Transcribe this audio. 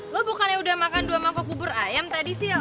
lo bukannya udah makan dua mangkok bubur ayam tadi sih